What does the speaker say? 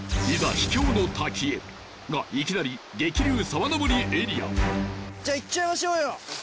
秘境の滝へがいきなり激流沢登りエリアじゃあ行っちゃいましょうよ